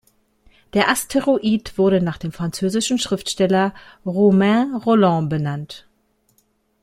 Der Asteroid wurde nach dem französischen Schriftsteller Romain Rolland benannt.